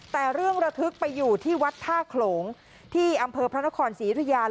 แต่เรื่องระทึกไปอยู่ที่วัดท่าโขลงที่อำเภอพระนครศรียุธยา